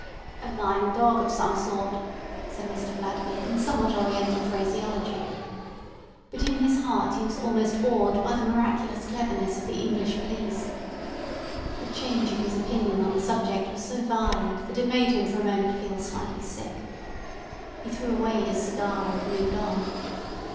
"A lying dog of some sort," said Mr Vladimir in somewhat Oriental phraseology. But in his heart he was almost awed by the miraculous cleverness of the English police. The change of his opinion on the subject was so violent that it made him for a moment feel slightly sick. He threw away his cigar, and moved on.